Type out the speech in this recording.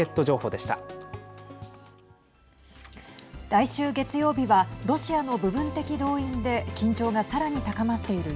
来週、月曜日はロシアの部分的動員で緊張がさらに高まっている